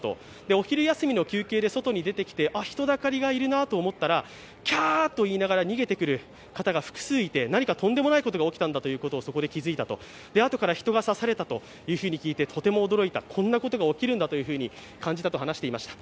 お昼休みの休憩で出てきたら、人だかりがいるなと思ったら、キャーと言いながら逃げてくる方が複数いて、何かとんでもないことが起きたんだとそこで気づいたと、あとから人が刺されたということを聞いてとても驚いた、こんなことが起きるんだと感じたと話していました。